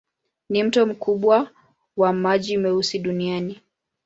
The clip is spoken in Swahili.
Ni mto mkubwa wa maji meusi duniani.